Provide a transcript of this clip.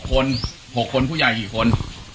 ๖คน่าใช้ผู้ใหญ่กี่คน